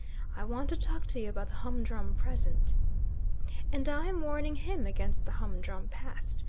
I want to talk to you about the humdrum present." "And I am warning him against the humdrum past.